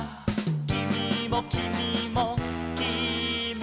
「きみもきみもきみも」